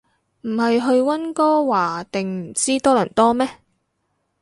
唔係去溫哥華定唔知多倫多咩